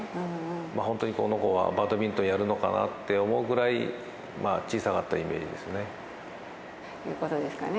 本当にこの子はバドミントンやるのかなというぐらい小さかったイメージですね。ということですかね。